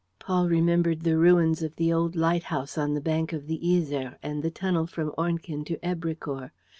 Paul remembered the ruins of the old lighthouse on the bank of the Yser and the tunnel from Ornequin to Èbrecourt.